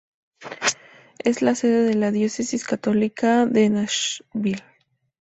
Es la sede de la la Diócesis Católica de Nashville.